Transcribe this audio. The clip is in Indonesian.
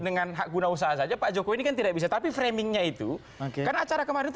dengan hak guna usaha saja pak jokowi kan tidak bisa tapi framingnya itu karena acara kemarin